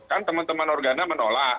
kan teman teman organa menolak